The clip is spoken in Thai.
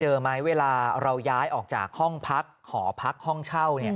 เจอไหมเวลาเราย้ายออกจากห้องพักหอพักห้องเช่า